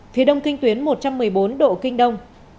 phía đông kinh tuyến một trăm một mươi bốn độ kinh đông